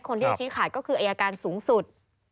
คนที่จะชี้ขาดก็คืออายการสูงสุด